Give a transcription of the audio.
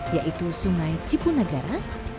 yaitu sungai cipunagara